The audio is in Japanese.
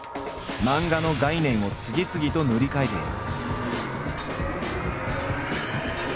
漫画の概念を次々と塗り替えている。